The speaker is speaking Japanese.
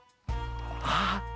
あっ。